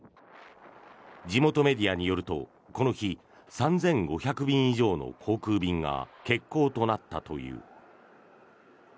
地元メディアによるとこの日、３５００便以上の航空便が欠航となったという。